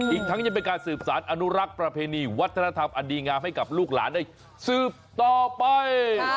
อีกทั้งยังเป็นการสืบสารอนุรักษ์ประเพณีวัฒนธรรมอดีงามให้กับลูกหลานได้สืบต่อไป